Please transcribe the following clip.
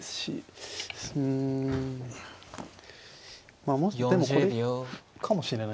まあでもこれかもしれないですね。